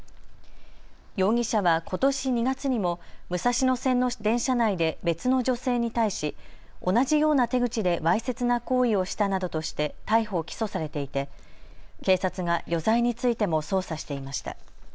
容疑者はことし２月にも武蔵野線の電車内で別の女性に対し同じような手口でわいせつな行為をしたなどとして逮捕・起訴されていて警察が余罪についても捜査していました。